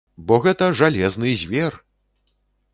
Бо гэта жалезны звер!